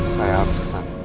saya harus kesana